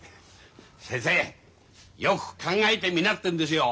先生よく考えてみなってんですよ。ね？